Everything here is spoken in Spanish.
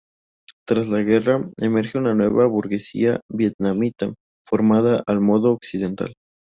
Tras la guerra, emerge una nueva burguesía vietnamita, formada al modo occidental.